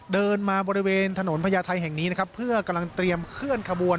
เดินมาบริเวณถนนพญาไทยแห่งนี้นะครับเพื่อกำลังเตรียมเคลื่อนขบวน